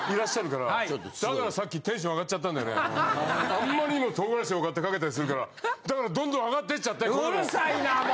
あんまりにも唐辛子をこうやってかけたりするからだからどんどん上がっていっちゃって声も。